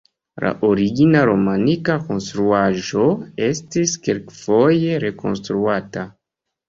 La origina romanika konstruaĵo estis kelkfoje rekonstruata.